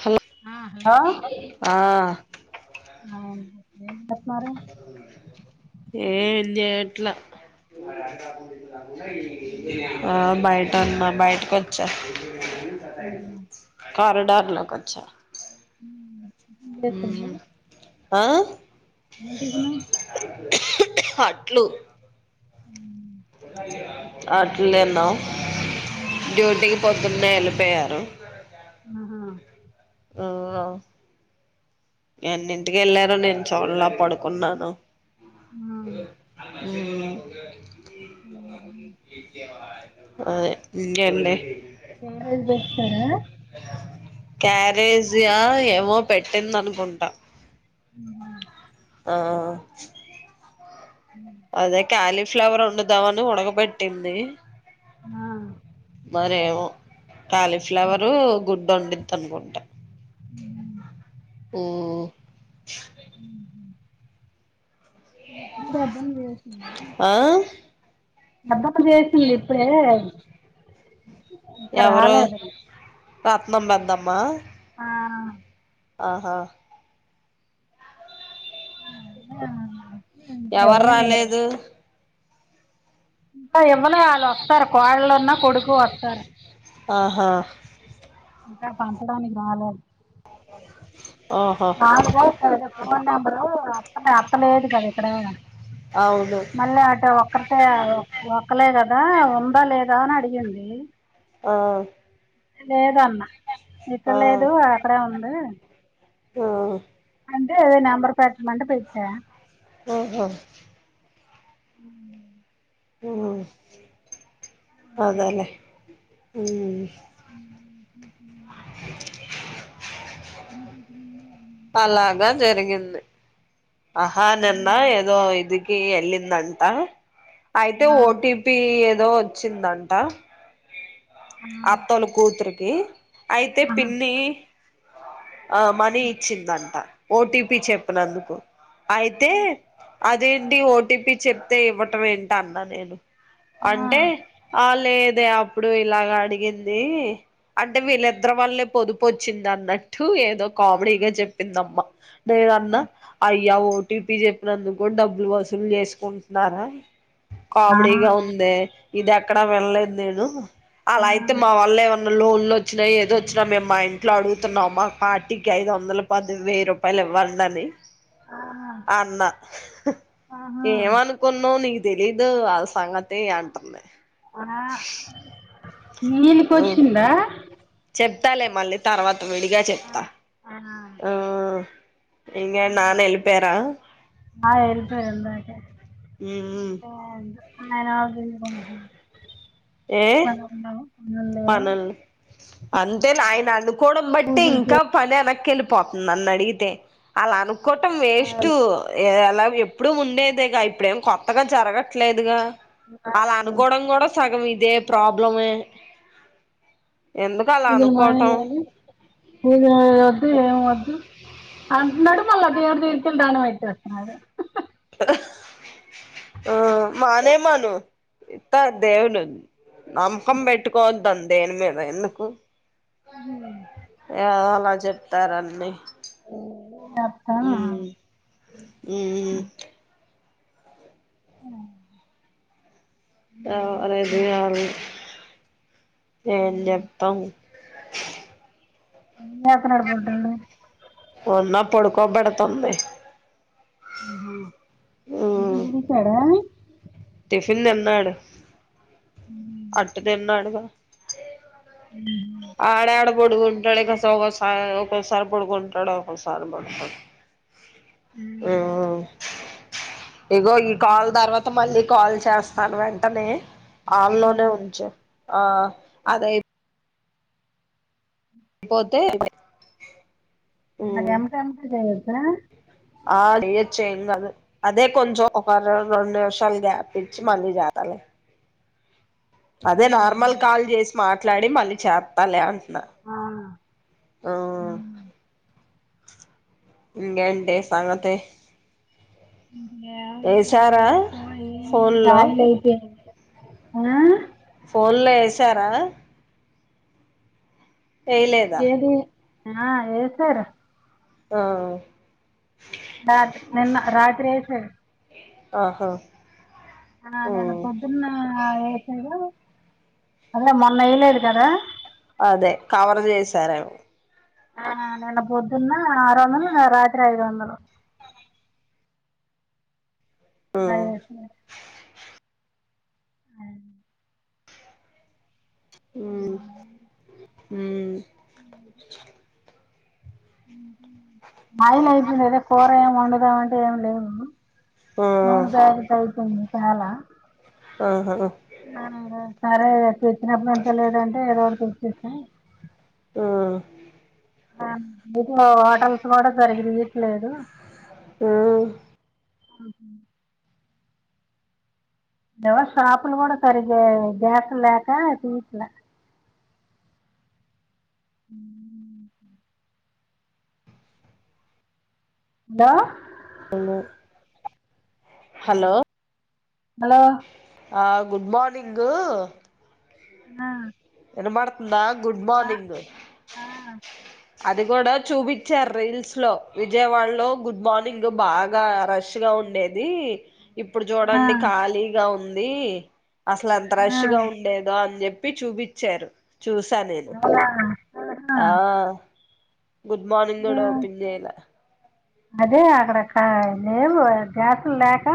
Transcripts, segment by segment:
Hello ఆ ఆ ఆ [unintelligible] మరీ ఏం జేయట్ల ఆ బయట తమ్మా బయటకు వచ్చా ఆహా కారిడార్ లోపలకొచ్చ [unintelligible] ఆ ఎం టిఫిను అట్లు ఉ అట్లేన్నా జోర్ త ప ఉన్నాయ్ వెళ్లిపోయారు ఆహా ఆ ఎన్నింటికి వెళ్ళారు నేను చూడలా పడుకున్నాను. అ అ ఆ వీడియో అంటే పెన్డ్రైవ్ పెడతారా యా ఏమో పెట్టిందినుకు ముంట ఉ ఆ అదే కాలీఫ్లవర్ వండుదాము అని ఉడకబెట్టింది ఆ మరేమో కాలీఫ్లవరు గుడ్డు వండిమ్ తనుకుంట ఓ అ మా పెద్దమ్మ చేసింది ఆ ఎలా పెద్దక్క చేసింది ఇప్పుడే ఇంకా రాలేదు మబద్దమ్మా ఆ ఆహా అ ఎవరు రాలేదు ఇంకా ఇవ్వలే వాళ్ళు వస్తారు కోడలన్నా కొడుకు వస్తారు ఆహా ఇంకా పంచడానికి రాలేదు ఆహా నాలుగు ఫోన్ నంబరు అత్తలేదు కదా ఇక్కడ అవును మళ్ళీ అటు ఒక్కరికె ఒక్కలే కదా ఉందా లేదా అని అడిగింది ఆ లేదన్నా ఇక్కడ ఆ లేదు అక్కడే ఉమ్ [inaudible] ఆ అంటే నంబర్ పెట్టమంటె పెట్టా ఓ హో ఉ అదే లేే అ [inaudible] [inaudible] ఉ అలాగా జరిగింది ఆహా నిన్న ఏదో ఇది ఎల్లిందంటా అయితే ఆ, ఓటిపి ఏదో వచ్చిందంట ఆ, అత్తలు కూతురు అ అయితే ఆహా, పిన్ని ఆ మనీ ఇచ్చిందంట ఓటిపీ చెప్పనందుకు అయితే అదేంటి ఓటీపీ చెప్తే ఇవ్వటం ఏంటి అన్నా నేను అంటే ఆ లేదే అప్పుడు ఇలాగా అడిగింది అంటే వీళ్ళిద్దరు వళ్లే పొదుపు వచ్చింది అన్నట్టు ఏదో కామెడీగా చెప్పిందమ్మ దేద ఆ, యి [inaudible] యా ఓటీపీ చెప్పినందుకు కూడా డబ్బులు వసూలు చేసుకుంటున్నారా ఆ, కామడీగా ఉందే ఇది ఎక్కడ విన్లేదూ నేను ఆ, అలా అయితే మా వాళ్ళ ఏమన్నా లోన్లు వచ్చినా ఏదో వచ్చినా మేము మా ఇంట్లో అడుగుతున్నాం మా పార్టీకి ఐదు వందల పది వెయ్యి రూపాయలు ఇవ్వండి అని ఆ, అన్నా ఆహా, ఏమనుకున్నావు నీ తెలీదు ఆ సంగతి అంటుంది ఆ నీలికోచ్చిందా చెప్తాలే మళ్ళీ తర్వాత విడిగా ఆ, చెప్తా ఆ ఇంగ నానా ఎల్లిపోయారా ఆ వెళ్తారు ఇందాకే ఉమ్ ఉమ్ అండ్ ఆయన [inaudible] అలా ఉండవా పనల్లో అంతే అయిన కోడ బట్టి ఇంకా పని ఎనకెళ్ళి పాప్ నన్న అడిగితే అలా అను కోటం వేస్ట్ ఎలా ఎప్పుడుూ ఉండేదేగా ఇప్పుడేం కొత్తగా జరగట్లేదుగా అలా అనుకోవడం కూడా సగం ఇది ఇదే ప్రాబ్లం పూజలు అనుకోవటం మానేయాలీ వద్దు ఎం వద్దు అంటునడు మల్లా దేవుడి దగ్గరకెళ్ళి దండం ఎట్టెత్తునాడు ఆ మానే మను ఇత్తాడు దేవుడు నమ్మకం పెట్టుకోవద్దని దేని మీద ఎందుకు ఆ అలా చెప్తారన్ని ఏ నాతా ఉమ్ [inaudible] ఆ అర ఇది కాదు ఏం చెప్తాం [inaudible] నప్ నడబొడ్డు ఒన్నా పొడుకోబెడతాం లే ఆహా [inaudible] తాడా టిఫిన్ తిన్నాడు అట్ట దిన్నాడుగా ఆడ ఆడ బుడుగుంటాడు ఇక [unintelligible] ఒక్కోసార్ పడుగుంటాడు ఒక్కోసారి పడుకోడు ఆ ఇగో ఈ కాల్ తర్వాత మళ్ళీ కాల్ చేస్తాను వెంటనే ఆల్లోనే ఉంచు ఆ అదై పోతే మనకెందుకనక [inaudible] ఆ ఆడియోచు ఏం కాదు అదే కొంచెం ఒక రెండు రెండు నిమిషాలు గ్యాప్ ఇచ్చి మళ్ళీ చేతాలి అదే నార్మల్ కాల్ చేసి మాట్లాడి మళ్ళీ చేత్తాలే అ న ఉమ్ ఇకేంటి సంగతీ ఇంకేముంది వేశారా ఎందుకు ఏం లేదు ఫోన్లో ఆయిల్ అయిపోయింది ఆ ఫోన్లో వేశారా ఏయలేదా ఏది ఆ వేశారు ఆ రాత్రి నిన్న రాత్రి వేశారు ఆహా అ నిన్న ఉమ్ పొద్దున్న వేసిర్రు అదే మొన్న వేయలేదు కదా అదే కవర్ చేశారేమో ఆ నిన్న పొద్దున్న ఆరు వందలు రాత్రి ఐదు వందలు ఉమ్ అదే [inaudible] ఉం ఉమ్ ఆయిలు అయిపోయినద కూర ఏం వండుదాం అంటే ఏమి లేదు ఆ నూనె ప్యాకెట్లు అయిపోయినాయి చాల ఆహ ఆ ఆ సరే చెప్పినప్పుటీ నుంచే లేదంటే ఏదో ఒకటి తెచ్చేసాం ఆ ఆ ఇక్కడ ఓటర్స్ కూడా సరిగ్గా చేయట్లేదు ఉమ్ ఆహా ఏమో షాపులో కూడా సరిగ్గా గ్యాస్ లేక హలో లో హలో హలో ఆ గుడ్ మార్నింగు ఆ వినపడుతుందా గుడ్ ఆ మార్నింగ్ ఆ అది కూడా చూపించారు రీల్స్ లో విజయవాడ లో గుడ్ మార్నింగ్ బాగా రష్గా ఉండేది ఇప్పుడు ఆ చూడండి ఖాళీగా ఉంది ది అసలు ఎంత ఆ రష్గా ఉండేదో అని చెప్పి చెప్పి చూపించారు చూసా నేను అవునా ఆహా ఆ గుడ్ మార్నింగ్ ఏ గూడా ఓపన్ చేయలే అదే అక్కడ కా లేవు గ్యాసులు లేక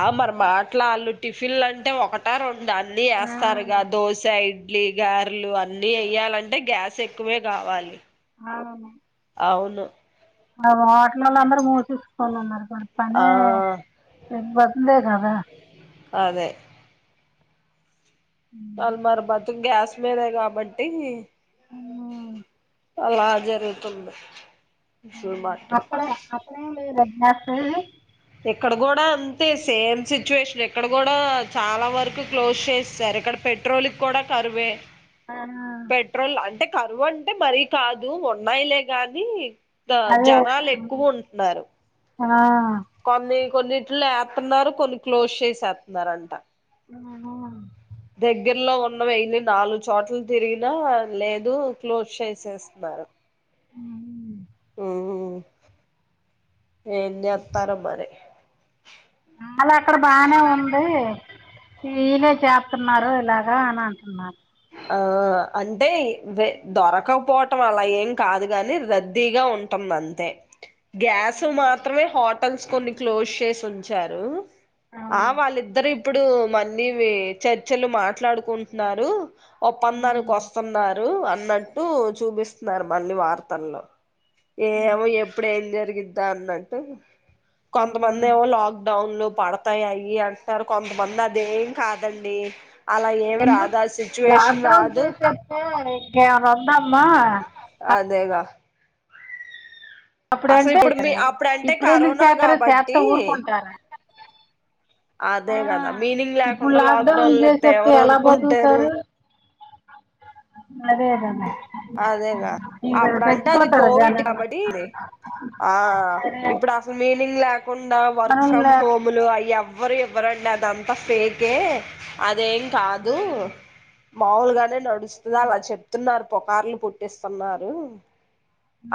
ఆ మన మాటలా వాళ్ళు టిఫిన్లు అంటే ఒకట రెం డా అన్నీ ఆ వెస్తారుగా దోస ఇడ్ డ్లి గారెలు అన్నీ ఎయ్యాలంటే గ్యాస్ ఎక్కువే కావాలి అ అవును అవి బ పిల్లలు అందరూ మూసేసుకోన్నారు ఆ పనే ఇబ్బందే కదా అదే వాళ్ళ మరి బతుకు గ్యాస్ మీదే కాబట్టి అమ్మ అలా జరుగుతుంది షూర్ మాట్ బస్సు ఇక్కడ కూడా అంతే సేమ్ సిచ్యుయేషన్ ఇక్కడ కూడా చాలా వరకు క్లోజ్ చేస్తారు ఇక్కడ పెట్రోల్కి కూడా కరువే పెట్రోల్ అంటే కరువంటే మరీ కాదు ఉన్నాయిలే గానీ అదే జనాలు ఎక్కువ ఉంటున్నారు ఆ కొన్ని కొన్నింటిలో వేస్తూన్నారు కొన్ని క్లోజ్ చేసేస్తున్నారంట ఆవున దగ్గరలో ఉన్న వెళ్ళి నాలుగు చోట్లు తిరిగినా లేదు క్లోజ్ చేసేస్తున్నారు ఉ ఉ ఏన్ చేత్తరో మరి అళ అక్కడ బానే ఉంది వీలే చేప్ప అన్నారు ఇలాగా అని అంటున్నారు ఆ అంటే దొరకకపోవటం అలా ఏం కాదు గాని రద్దీగా ఉంటుంది అంతే గ్యాస్ మాత్రమే హట్ హోటల్స్ కొన్ని క్లోజ్ చేసి ఉంచారు ఆ వాళ్ళిద్దరు ఇప్పుడు మన్ని చర్చలు మాట్లాడుకుంటున్నారు ఒప్పందానికి వస్తున్నారు అ అన్నట్టు చూపిస్తున్నారు మళ్ళీ వార్తల్లో ఏమో ఎప్పుడు ఏం జరిగింది ఇద్దా అన్నంటే కొంతమంది ఏమో లాక్డౌన్ లో పడతాయిఅయ్యి అంటున్నారు కొంతమంది అదేం కాదండి అలా ఏమి ఎందుకు రాదాసి లాక్డౌన్ చేసంతే ఇక ఇంకేంమన్న వద్దమా అదేగా అసలు అప్పుడంటే ఇప్పుడు మీ అప్పుడంటే ఇప్పుడు ఎందుకు కరోనా చేతార చేత్త కాబట్టి ఊరుకుంటారా ఆ, అదే కదా మీనింగ్ ఇప్పుడు లేకుండా లాక్ లాక్డౌన్ డౌన్లు ఎతే చేసేస్తే ఎలా ఎవరవరుకు ఉంటారు బతుకుతారు అదే కదా అదేగా ఇంకా అప్పుడ అంటే అది చచ్చిపోతారు కోవిడ్ జనాలు కాబట్టి ఆ ఇప్పుడు అసలు మీనింగ్ లేక కాకుండా వర్క్ ఫ్రమ్ మనల్ని హోమ్లు అయ్యాము మారి ఎవ్వరండది అంతా ఫేకె అదేంగ్ ఆ, కాదు మాముల్గానే నడు లాల చె న్నారు పుకార్లు పుట్టిస్తున్నారు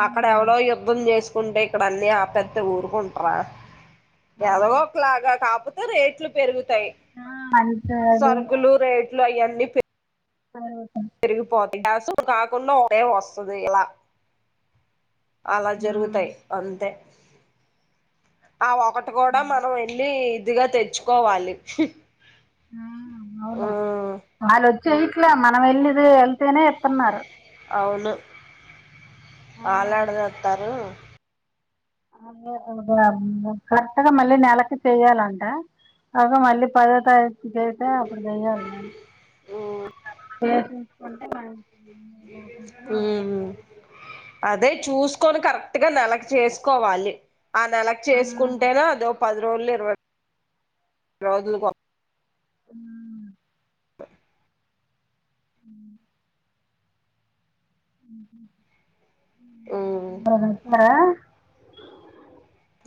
అక్కడ ఎవడో యుద్ధం చేసుకు ంటే ఇక్కడ అన్ని ఆపెత్తే ఊరుకుంటర ఆ, ఎవరో ఒకలాగా కాకపో రేట్లు పెరుగు తయ్ అంతే అది సరుకులు రేట్ [inaudible] అయ్యండి అవు పెరిగిపోతయి [unintelligible] అడస కాకుండా ే వస్తది ఇలా అలా ఆ. జరుగుతాయి అంతే ఆ ఒకటి కూడా మనం వెళ్ళి కొద్దిగా తెచ్చుకోవాలి ఆ ఆ అవును వాళ్ళు వచ్చి ఇట్లా మనం వెళ్ళి వెళ్తేనే ఇత్తున్నారు [inaudible] వాళ్ళుయాడదెత్తారు అ కరెక్ట్గా మళ్ళీ నెలకి చెయ్యాలంట కాక మళ్ళీ పదో తారీఖు చేపితే అప్పుడు చెయ్యాలి నేను స కొకున్నా [inaudible] [inaudible] ఉమ్ అదే చూసుకొని కరెక్ట్ గా నెలకి చేసుకోవాలి ఆ నెలకి చేసుకుంటేనే అద పది రోజులు ఇరవై రోజులుగా హ అ అ ఉమ్ [inaudible]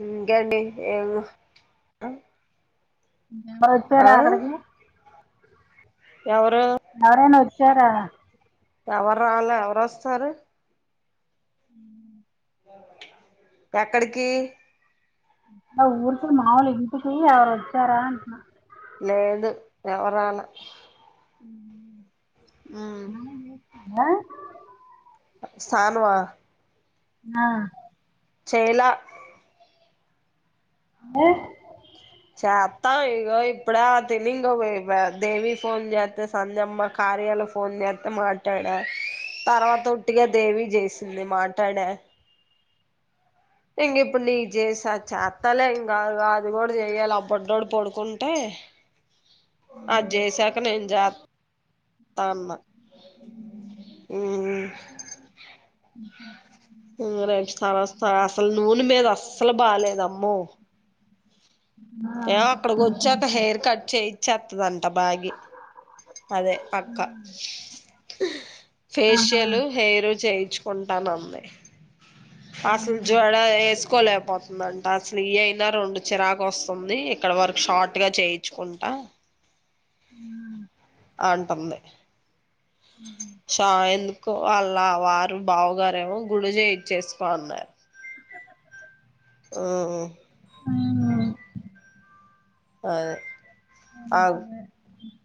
ఇంకేంటి ఏమ్ అందరు వచ్చారా అక్కడికి ఎవరు ఎవరైనా వచ్చారా ఎవరు రాలా ఎవరు వస్తారు ఉ [inaudible] ఎక్కడికి ఊరికి మాముూలు ఇంటికి ఎవరు వచ్చారా అంటున్నా లేదు ఎవరు రాలా అ అ [inaudible] ఆ స్నానమ ఆ చేయాల అ చేస్తా ఇగో ఇప్పుడ తిని ఇంక దేవి ఫోన్ చేస్తే సంధమ్మ కార్యలు ఫోన్ చేస్తే, మాట్లాడా తర్వాత ఒట్టిగా దేవి చేసింది. మాట్లాడా ఇంక ఇప్పుడు నీ చేసా చేస్తలే ఇంకా అది కూడా చెయ్యాలి. అబుడ్డోడు పడుకుంటే అజేసక నజత తమ ఊ అ [inaudible] రెంస్తారుస్త అసలు నూనె మీద అస్సలు బాలేదమ్మ. ఏమొ అక్కడికి వచ్చి ఒక హెయిర్ కట్ చేయిచ్చత్తదంట. అబాగి అదే అక్క ఆహా ఫేషియల్, హెయిరు చేయి చ్చుకుంటానమ్మే అసలు జడా ఎసుకోలే పోతుందంట అసలు ఈ అయినా రెండు చిరాకు వస్తుంది. ఇక్కడ వరకు షార్ట్ గా చేయించుకుంటా. ఉ ఆంటంది. చా ఎందుకో వాళ్ళ వారు బావుగారేమో గుడి చేయిచ్చేసుకోన్నారు. ఆ హు అ అక [unintelligible]